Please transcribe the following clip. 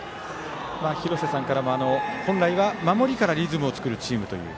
廣瀬さんからも本来は守りからリズムを作るチームという。